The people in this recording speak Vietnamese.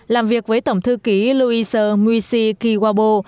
làm việc với tổng thư ký louis muisi kiwabo